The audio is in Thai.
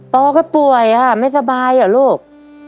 อก็ป่วยค่ะไม่สบายเหรอลูก